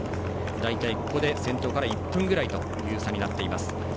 大体ここで先頭から１分くらいの差となっています。